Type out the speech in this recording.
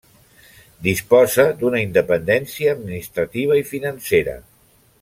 Disposa d'una independència administrativa i financera.